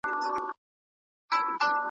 هغوی له پخوا هڅه کوي.